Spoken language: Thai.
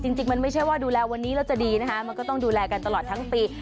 จริงมันไม่ใช่ว่าดูแลวันนี้แล้วจะดีนะคะมันก็ต้องดูแลกันตลอดทั้งปี